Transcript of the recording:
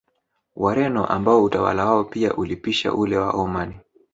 Wareno ambao utawala wao pia ulipisha ule wa Omani